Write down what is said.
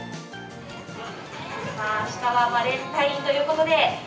あしたはバレンタインということで。